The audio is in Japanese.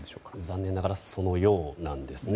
残念ながらそのようなんですね。